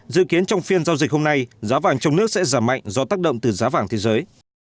dự kiến trong phiên giao dịch hôm nay giá vàng trong nước sẽ giảm mạnh do tác động từ giá vàng thế giới